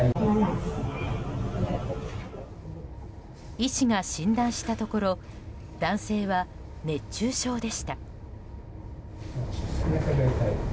医師が診断したところ男性は熱中症でした。